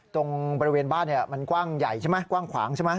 ตรงบริเวณบ้านมันกว้างใหญ่ใช่ไหมกว้างขวางใช่ไหม